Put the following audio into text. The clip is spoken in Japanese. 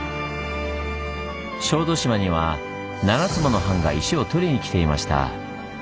小豆島には７つもの藩が石をとりに来ていました。